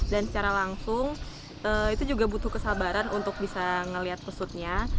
dan secara langsung itu juga butuh kesabaran untuk bisa melihat pesutnya